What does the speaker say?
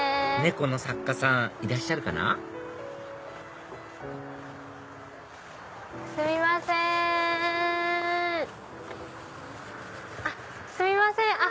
猫の作家さんいらっしゃるかなすみません。